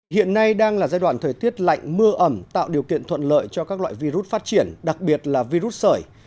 hiện nay đang là giai đoạn thời tiết lạnh mưa ẩm tạo điều kiện thuận lợi cho các loại virus phát triển đặc biệt là virus sởi